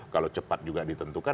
kalau cepat juga ditentukan